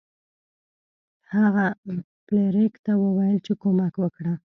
هغه فلیریک ته وویل چې کومک وکړه.